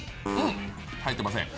入ってません。